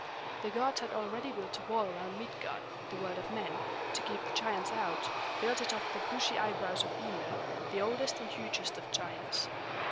The gods had already built a wall around Midgard, the world of men, to keep the giants out; built it of the bushy eyebrows of Ymir, the oldest and hugest of giants.